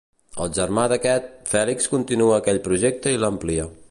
El germà d'aquest, Fèlix continua aquell projecte i l'amplia.